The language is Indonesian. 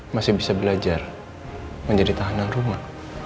masih bisa belajar menjadi tahanan rumah